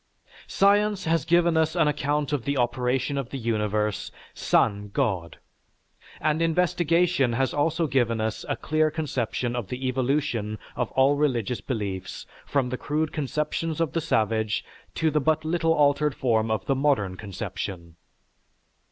Science has given us an account of the operation of the universe sans God, and investigation has also given us a clear conception of the evolution of all religious beliefs from the crude conceptions of the savage to the but little altered form of the modern conception.